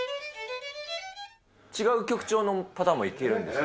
違う曲調のパターンもいけるんですか。